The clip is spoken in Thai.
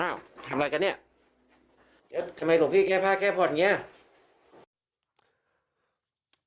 เอ้าทำลายกันเนี่ยทำไมหลวงพี่แก้ผ้าแก้ผ่อนอย่างเงี้ย